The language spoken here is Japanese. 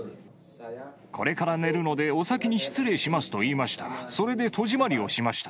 これから寝るのでお先に失礼しますと言いました。